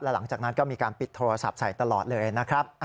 หลังจากนั้นก็มีการปิดโทรศัพท์ใส่ตลอดเลยนะครับ